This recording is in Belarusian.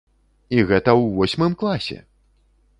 І гэта ў восьмым класе!